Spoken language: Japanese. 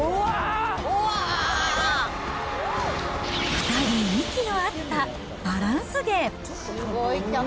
２人、息の合ったバランス芸。